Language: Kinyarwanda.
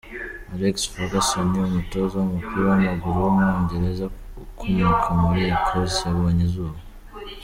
Alex Ferguson, umutoza w’umupira w’amaguru w’umwongereza ukomoka muri Ecosse yabonye izuba.